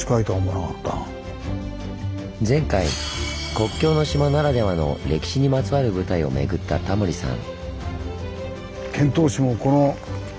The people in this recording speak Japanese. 前回国境の島ならではの歴史にまつわる舞台を巡ったタモリさん。